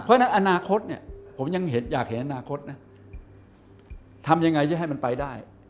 เพราะฉะนั้นอนาคตเนี่ยผมยังอยากเห็นอนาคตนะทำยังไงจะให้มันไปได้